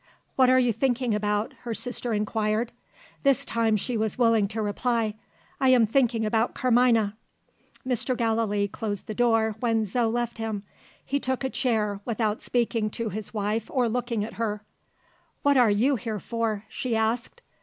"What are you thinking about?" her sister inquired. This time she was willing to reply. "I'm thinking about Carmina." Mr. Gallilee closed the door when Zo left him. He took a chair, without speaking to his wife or looking at her. "What are you here for?" she asked.